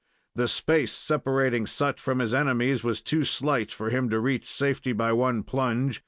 The space separating Sut from his enemies was too slight for him to reach safety by one plunge.